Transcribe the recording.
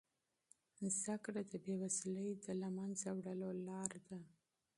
زده کړه د بې وزلۍ د له منځه وړلو لاره ده.